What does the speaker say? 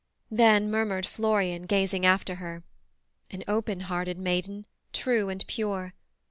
Then murmured Florian gazing after her, 'An open hearted maiden, true and pure.